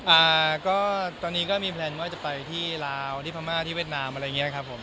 อ่าก็ตอนนี้ก็มีแพลนว่าจะไปที่ลาวที่พม่าที่เวียดนามอะไรอย่างเงี้ยครับผม